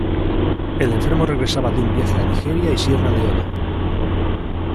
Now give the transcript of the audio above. El enfermo regresaba de un viaje a Nigeria y Sierra Leona.